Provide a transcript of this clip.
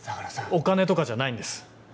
お金とかじゃないんです。